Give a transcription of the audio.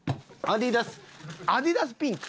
アディダスピンク。